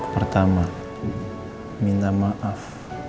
pertama minta maaf